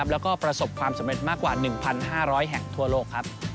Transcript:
แล้วก็ประสบความสำเร็จมากกว่า๑๕๐๐แห่งทั่วโลก